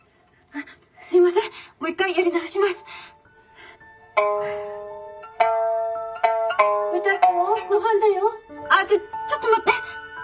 「あっちょっちょっと待って」。